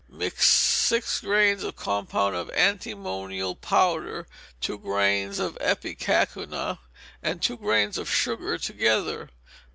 Mix six grains of compound antimonial powder, two grains of ipecacuanha, and two grains of sugar together.